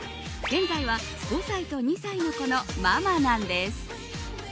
現在は５歳と２歳の子のママなんです。